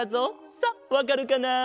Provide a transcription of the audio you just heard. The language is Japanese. さあわかるかな？